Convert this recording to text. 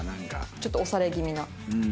ちょっと押され気味な。